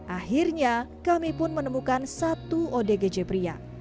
akhirnya kami pun menemukan satu odgj pria